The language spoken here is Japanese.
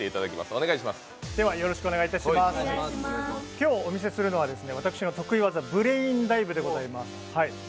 今日お店するのは私の得意技ブレインダイブでございます。